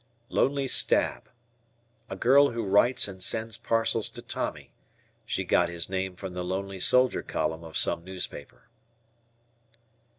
"Lonely Stab." A girl who writes and sends parcels to Tommy. She got his name from the "Lonely Soldier Column" of some newspaper.